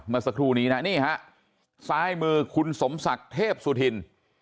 เมื่อสักครู่นี้นะนี่ฮะซ้ายมือคุณสมศักดิ์เทพสุธิน